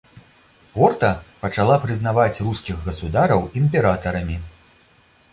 Порта пачала прызнаваць рускіх гасудараў імператарамі.